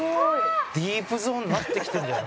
ディープゾーンになってきてるじゃん。